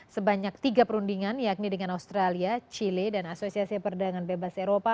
sebanyak tiga perundingan yakni dengan australia chile dan asosiasi perdagangan bebas eropa